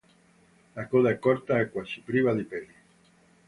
La coda è corta e quasi priva di peli.